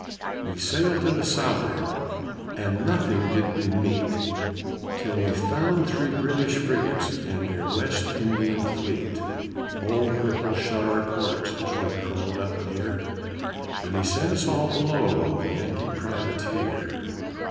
We sailed to the south'ard, And nothing did we meet, Till we found three British frigates And their West Indian fleet. Old Whipple shut our ports As we crawled up near, And he sent us all below On the Yankee Privateer.